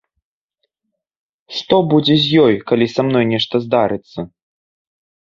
Што будзе з ёй, калі са мной нешта здарыцца?